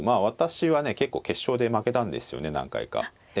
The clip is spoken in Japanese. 私はね結構決勝で負けたんですよね何回か。